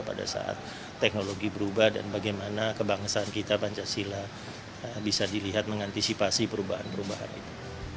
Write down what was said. pada saat teknologi berubah dan bagaimana kebangsaan kita pancasila bisa dilihat mengantisipasi perubahan perubahan ini